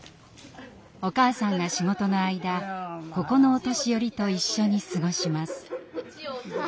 お母さんが仕事の間ここのお年寄りと一緒に過ごします。